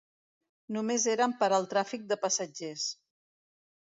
Només eren per al tràfic de passatgers.